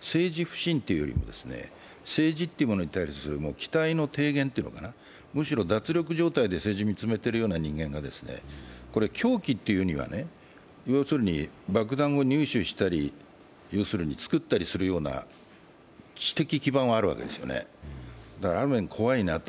政治不信というよりも、政治というものに対する期待の低減というのかな、むしろ脱力状態で政治を見つめてるような人間が、これ、狂気というよりは要するに爆弾を入手したり作ったりするような、知識的基盤はあるんですよね、ある面、怖いなと。